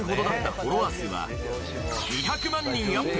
フォロワー数は２００万人アップ。